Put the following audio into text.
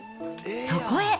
そこへ。